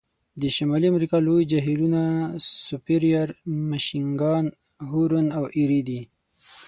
د شمالي امریکا لوی جهیلونه سوپریر، میشیګان، هورن او ایري دي.